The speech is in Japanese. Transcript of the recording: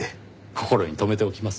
心に留めておきます。